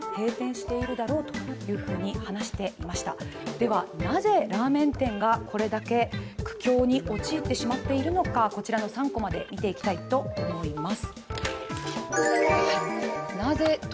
ではなぜラーメン店が苦境に立たされてしまっているのかこちらの３コマで見ていきたいと思います。